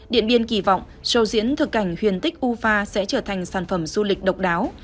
điện biên kỳ vọng sầu diễn thực cảnh huyền tích ufa sẽ trở thành sản phẩm du lịch độc đáo